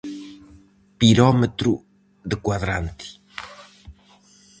Pirómetro de cuadrante.